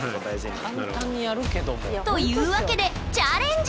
なるほど。というわけでチャレンジ！